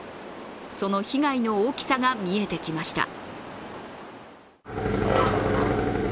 その被害の大きさが見えてきました。